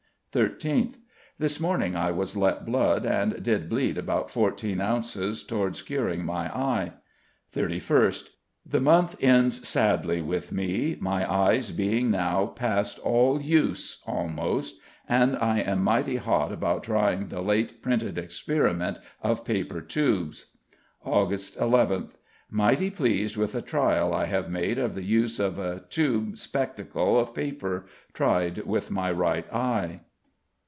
13th: This morning I was let blood, and did bleed about fourteen ounces towards curing my eye. 31st: The month ends sadly with me, my eyes being now past all use almost, and I am mighty hot about trying the late printed experiment of paper tubes. Aug. 11th: Mighty pleased with a trial I have made of the use of a tube spectacall of paper, tried with my right eye."